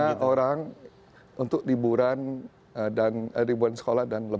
ya umumnya orang untuk liburan dan liburan sekolah